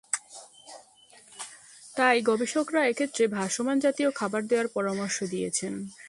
তাই গবেষকরা এক্ষেত্রে ভাসমান জাতীয় খাবার দেয়ার পরামর্শ দিয়েছেন।